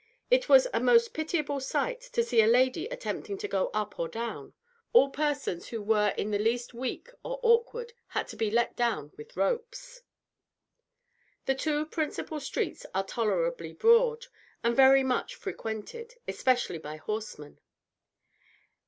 It was a most pitiable sight to see a lady attempting to go up or down: all persons who were in the least weak or awkward, had to be let down with ropes. The two principal streets are tolerably broad, and very much frequented, especially by horsemen.